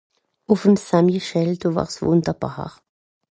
ùff'm Saint-Michel do wàr's wunderbaar